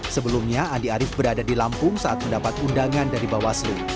sebelumnya andi arief berada di lampung saat mendapat undangan dari bawaslu